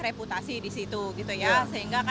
reputasi di situ gitu ya sehingga